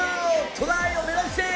トライを目指して。